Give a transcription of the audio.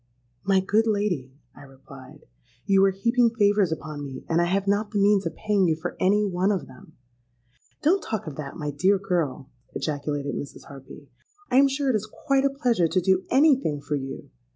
'—'My good lady,' I replied, 'you are heaping favours upon me, and I have not the means of paying you for any one of them.'—'Don't talk of that, my dear girl,' ejaculated Mrs. Harpy. 'I'm sure it is quite a pleasure to do any thing for you.